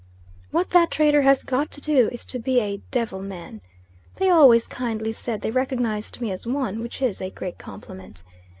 What that trader has got to do, is to be a "Devil man." They always kindly said they recognised me as one, which is a great compliment.